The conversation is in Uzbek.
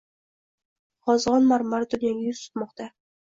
G‘ozg‘on marmari dunyoga yuz tutmoqdang